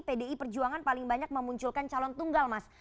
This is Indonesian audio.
pdi perjuangan paling banyak memunculkan calon tunggal mas